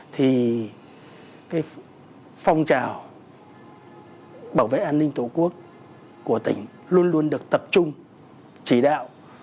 thì phong trào bảo vệ an ninh tổ quốc của tỉnh luôn luôn được tập trung chỉ đạo